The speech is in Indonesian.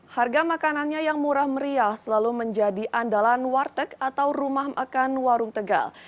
harga makanannya yang murah meriah selalu menjadi andalan warteg atau rumah makan warung tegal